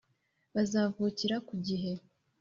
Bazavukira ku gihe.